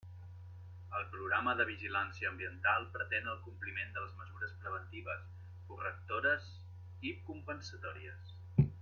El programa de vigilància ambiental pretén el compliment de les mesures preventives, correctores i compensatòries.